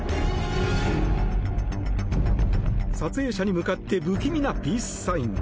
撮影者に向かって不気味なピースサイン。